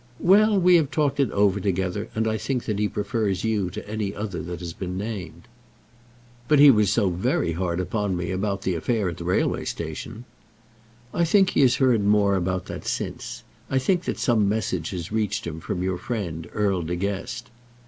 "Well, we have talked it over together, and I think that he prefers you to any other that has been named." "But he was so very hard upon me about the affair at the railway station." "I think he has heard more about that since; I think that some message has reached him from your friend, Earl De Guest."